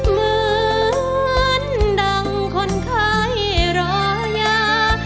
เหมือนดังคนไข้รอยา